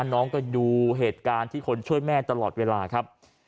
น้องก็ดูเหตุการณ์ที่คนช่วยแม่ตลอดเวลาครับ